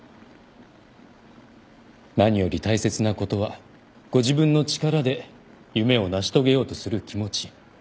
何より大切なことはご自分の力で夢を成し遂げようとする気持ち。